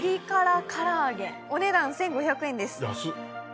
安っ！